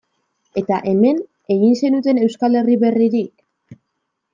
Eta, hemen, egin zenuten Euskal Herri berririk?